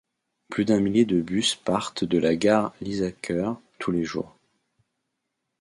Plus d'un millier de bus partent de la gare Lysaker tous les jours.